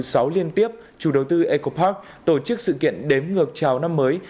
sáu liên tiếp chủ đầu tư eco park tổ chức sự kiện đếm ngược chào năm mới